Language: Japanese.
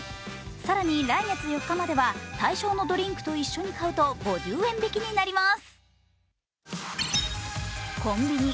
更に来月４日までは対象のドリンクと一緒に買うと５０円引きになります。